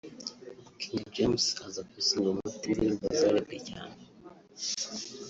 King James aza ku isonga mu bafite indirimbo zarebwe cyane